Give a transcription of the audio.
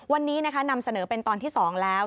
วันนี้นำเสนอเป็นตอนที่๒แล้ว